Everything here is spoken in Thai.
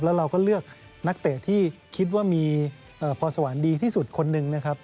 แล้วเราก็เลือกนักเตะที่คิดว่ามีพรสวรรค์ดีที่สุดคนหนึ่งนะครับ